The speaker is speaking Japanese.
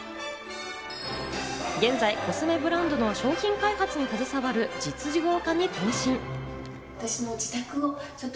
現在、コスメブランドの商品開発に携わる実業家に転身。